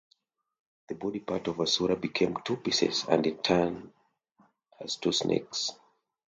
The body part of asura became two pieces and in turn as two snakes.